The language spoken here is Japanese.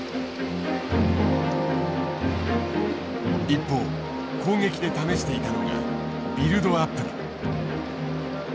一方攻撃で試していたのがビルドアップだ。